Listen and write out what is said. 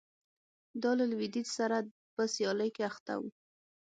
دا له لوېدیځ سره په سیالۍ کې اخته و